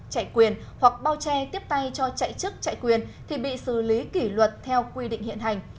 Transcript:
chạy quyền hoặc bao che tiếp tay cho chạy chức chạy quyền thì bị xử lý kỷ luật theo quy định hiện hành